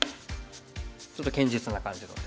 ちょっと堅実な感じの手。